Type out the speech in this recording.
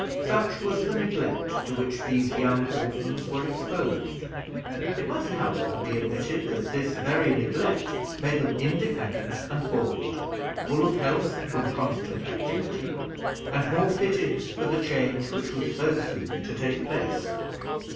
Such was the neglect to which these young orphans was exposed. It must, however, be admitted, that this very neglect made them independent and bold, full of health from constant activity, and more fitted for the change which was so soon to take place.